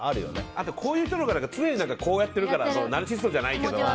あと、こういう人のほうが常にこうやってるからナルシストじゃないけど。